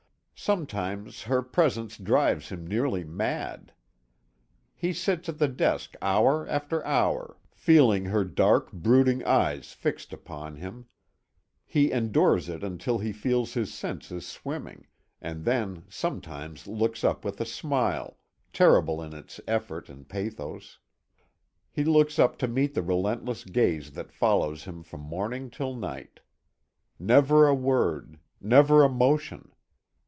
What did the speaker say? Sometimes her presence drives him nearly mad. He sits at the desk hour after hour, feeling her dark, brooding eyes fixed upon him. He endures it until he feels his senses swimming, and then sometimes looks up with a smile, terrible in its effort and pathos. He looks up to meet the relentless gaze that follows him from morning till night. Never a word, never a motion.